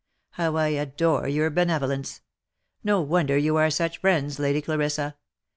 How I adore your benevolence ! No wonder you are such friends, Lady Clarissa!